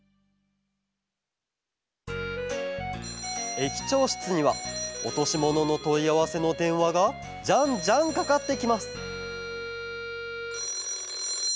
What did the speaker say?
駅長しつにはおとしもののといあわせのでんわがじゃんじゃんかかってきます